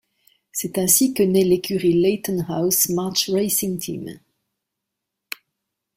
C'est ainsi que naît l'écurie Leyton House March Racing Team.